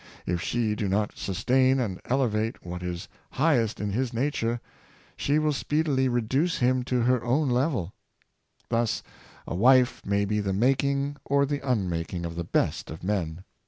If she do not sustain and elevate what is highest in his nature, she will speedily reduce him to her own level. Thus a wife may be the making or the unmaking of the best of men.